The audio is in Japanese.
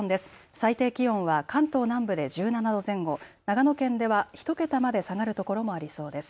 最低気温は関東南部で１７度前後、長野県では１桁まで下がるところもありそうです。